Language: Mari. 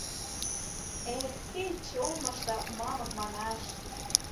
Эх, кеч омышто «мамык» манаш...